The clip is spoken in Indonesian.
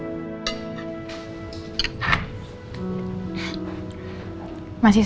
oke kita makan dulu ya